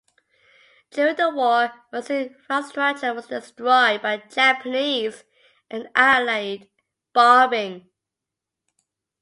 During the war, most infrastructure was destroyed by Japanese and Allied bombing.